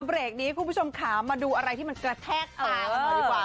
เบรกนี้คุณผู้ชมขามาดูอะไรที่มันกระแทกตากันหน่อยดีกว่า